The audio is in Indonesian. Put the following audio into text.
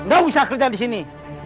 gak usah kerja di sini